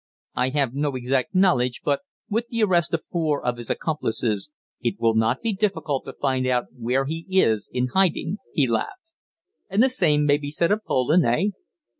"I have no exact knowledge, but, with the arrest of four of his accomplices, it will not be difficult to find out where he is in hiding," he laughed. "And the same may be said of Poland eh?"